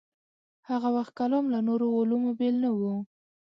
هاغه وخت کلام له نورو علومو بېل نه و.